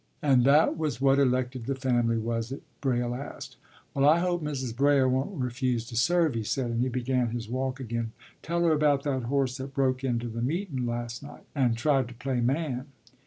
” “And that was what elected the family, was it?” Braile asked. “Well, I hope Mrs. Braile won't refuse to serve,” he said, and he began his walk again. “Tell her about that horse that broke into the meetin' last night, and tried to play man.